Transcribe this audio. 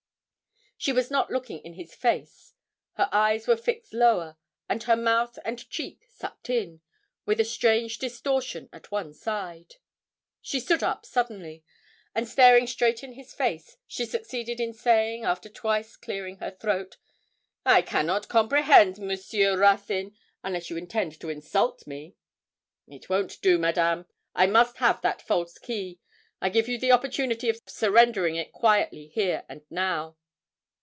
She was not looking in his face; her eyes were fixed lower, and her mouth and cheek sucked in, with a strange distortion at one side. She stood up suddenly, and staring straight in his face, she succeeded in saying, after twice clearing her throat 'I cannot comprehend, Monsieur Ruthyn, unless you intend to insult me.' 'It won't do, Madame; I must have that false key. I give you the opportunity of surrendering it quietly here and now.'